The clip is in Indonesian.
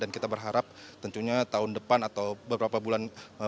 dan kita berharap tentunya tahun depan atau beberapa bulan berikutnya